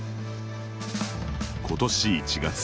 今年１月。